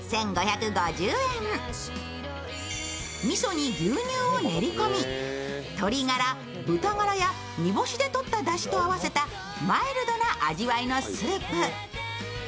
みそに牛乳を練り込み鶏ガラ、豚ガラ、煮干しでとっただしのマイルドな味わいのスープ。